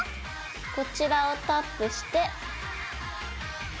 こちらをタップして。